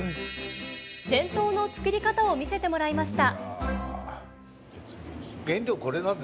伝統の作り方を見せてもらいました。